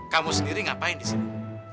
kamu sendiri ngapain disini